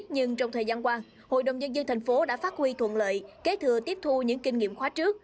nhưng trong thời gian qua hội đồng nhân dân thành phố đã phát huy thuận lợi kế thừa tiếp thu những kinh nghiệm khóa trước